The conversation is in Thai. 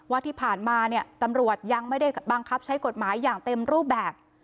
ว่าที่ผ่านมาเนี่ยตำรวจยังไม่ได้บังคับใช้กฎหมายอย่างเต็มรูปแบบ